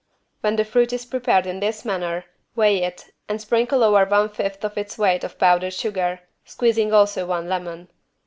When the fruit is prepared in this manner, weigh it, and sprinkle over one fifth of its weight of powdered sugar, squeezing also one lemon.